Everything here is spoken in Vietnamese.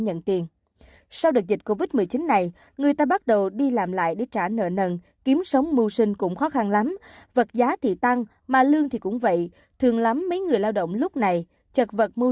hãy đăng ký kênh để ủng hộ kênh của chúng mình nhé